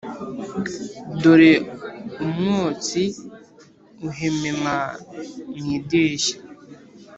dore umwotsi uhemema mu idirishya.